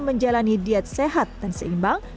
menjalani diet sehat dan seimbang